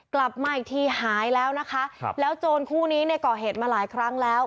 กลับมาอีกทีหายแล้วนะคะครับแล้วโจรคู่นี้เนี่ยก่อเหตุมาหลายครั้งแล้ว